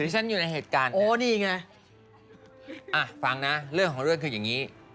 ฉันอยู่ในเหตุการณ์โอ้นี่ไงอ่ะฟังนะเรื่องของเรื่องคืออย่างนี้